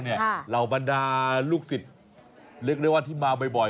เหล่าบรรดาลูกศิษย์เรียกได้ว่าที่มาบ่อย